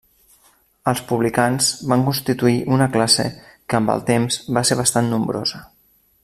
Els publicans van constituir una classe que amb el temps va ser bastant nombrosa.